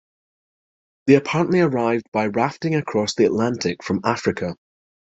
They apparently arrived by rafting across the Atlantic from Africa.